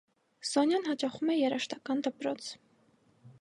Սոնյան հաճախում է երաժշտական դպրոց։